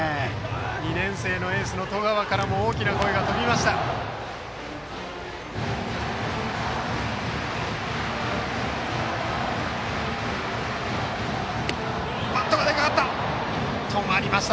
２年生エースの十川からも大きな声が飛びました。